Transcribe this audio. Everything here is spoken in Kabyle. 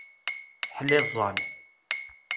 Ḥliẓẓan!